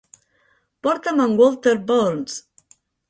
Porta'm en Walter Burns.